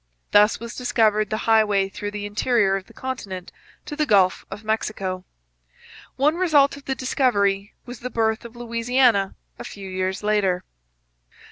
Thus was discovered the highway through the interior of the continent to the Gulf of Mexico. One result of the discovery was the birth of Louisiana a few years later.